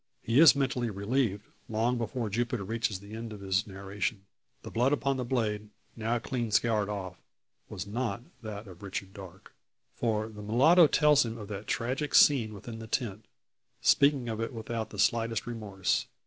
He is mentally relieved, long before Jupiter reaches the end of his narration. The blood upon the blade, now clean scoured off, was not that of Richard Darke. For the mulatto tells him of that tragical scene within the tent, speaking of it without the slightest remorse.